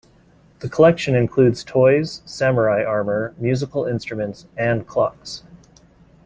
The collection includes toys, Samurai armour, musical instruments, and clocks.